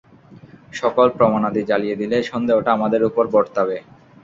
সকল প্রমাণাদি জ্বালিয়ে দিলে সন্দেহটা আমাদের উপর বর্তাবে।